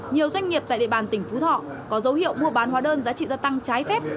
nhiều doanh nghiệp tại địa bàn tp sóc trăng có dấu hiệu mua bán hóa đơn giá trị gia tăng trái phép